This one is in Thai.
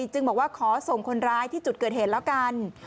จึงบอกว่าขอส่งคนร้ายที่จุดเกิดเหตุแล้วกัน